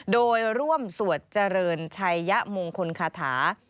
โดยร่วมสวดเจริญชัยยะมงคลคาถา